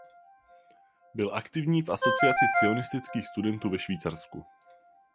Byl aktivní v asociaci sionistických studentů ve Švýcarsku.